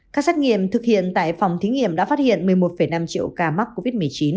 các xét nghiệm thực hiện tại phòng thí nghiệm đã phát hiện một mươi một năm triệu ca mắc covid một mươi chín